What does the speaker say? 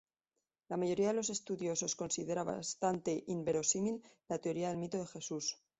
La mayoría de los estudiosos considera bastante inverosímil la teoría del mito de Jesús.